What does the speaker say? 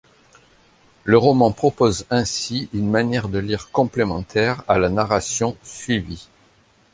Le roman propose ainsi une manière de lire complémentaire à la narration suivie.